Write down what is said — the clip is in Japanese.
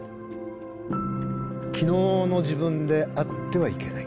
昨日の自分であってはいけない。